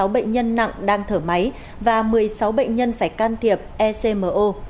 hai hai trăm năm mươi sáu bệnh nhân nặng đang thở máy và một mươi sáu bệnh nhân phải can thiệp ecmo